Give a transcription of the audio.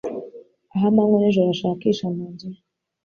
Ah Amanywa n'ijoro ashakisha mu nzu ye